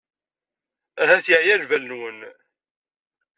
Ahat yeɛya lbal-nwen.